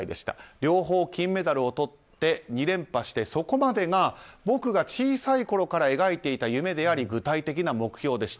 両方金メダルをとって２連覇して、そこまでが僕が小さいころから描いていた夢であり具体的な目標でした。